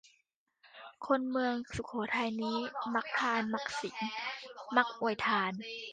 คนเมืองสุโขทัยนี้ มักทาน มักศีล มักอวยทาน